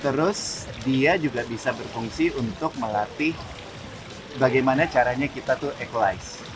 terus dia juga bisa berfungsi untuk melatih bagaimana caranya kita tuh aclaise